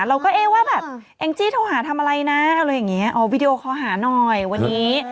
เราก็เอ๊ะว่าแบบแองจี้โทรหาทำอะไรนะอะไรอย่างนี้อ๋อวิดีโอคอลหาหน่อยวันนี้